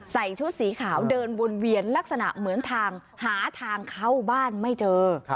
ชุดสีขาวเดินวนเวียนลักษณะเหมือนทางหาทางเข้าบ้านไม่เจอ